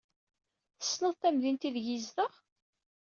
Tessneḍ tamdint aydeg yezdeɣ?